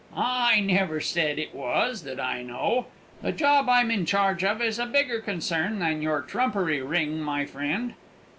"I never said it was, that I know. The job I'm in charge of is a bigger concern than your trumpery ring, my friend."